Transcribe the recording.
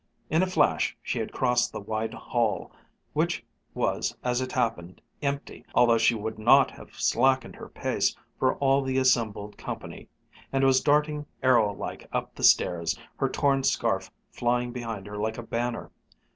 In a flash she had crossed the wide hall which was as it happened empty, although she would not have slackened her pace for all the assembled company and was darting arrow like up the stairs, her torn scarf flying behind her like a banner.